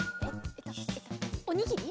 おにぎり？